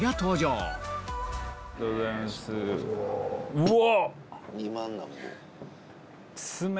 うわ！